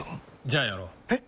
じゃあやろう。え？